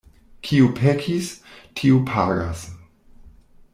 Kiu pekis, tiu pagas.